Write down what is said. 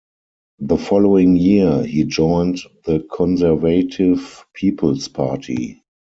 The following year, he joined the Conservative People's Party.